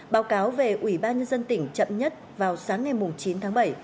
báo cáo về ủy ban nhân dân tỉnh chậm nhất vào sáng ngày chín tháng bảy